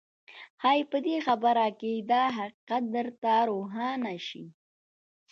ښايي په دې خبره کې دا حقيقت درته روښانه شي.